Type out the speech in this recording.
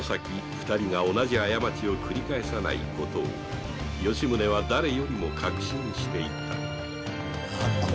二人が同じ過ちを繰り返さないことを吉宗は誰よりも確信していた